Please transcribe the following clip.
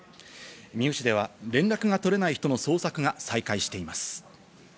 美祢市では連絡が取れない人の捜索が再開しています。